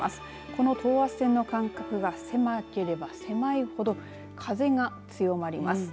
この等圧線の間隔が狭ければ狭いほど風が強まります。